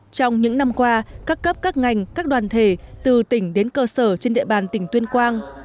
trong những năm qua các cấp các ngành các đoàn thể từ tỉnh đến cơ sở trên địa bàn tỉnh tuyên quang